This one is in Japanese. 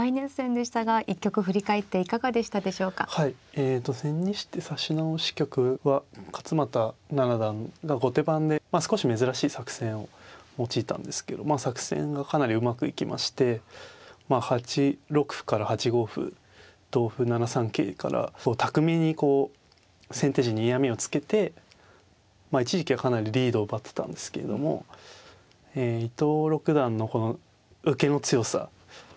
えっと千日手指し直し局は勝又七段が後手番で少し珍しい作戦を用いたんですけどまあ作戦がかなりうまくいきまして８六歩から８五歩同歩７三桂から巧みにこう先手陣に嫌みをつけて一時期はかなりリードを奪ってたんですけれどもえ伊藤六段のこの受けの強さ。